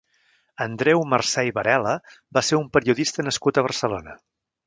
Andreu Mercé i Varela va ser un periodista nascut a Barcelona.